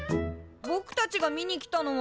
ぼくたちが見に来たのは。